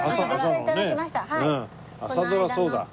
朝ドラそうだ。